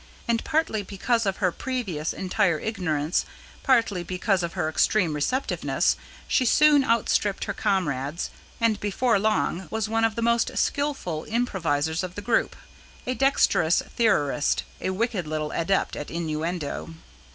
And partly because of her previous entire ignorance, partly because of her extreme receptiveness, she soon outstripped her comrades, and before long, was one of the most skilful improvisers of the group: a dexterous theorist: a wicked little adept at innuendo.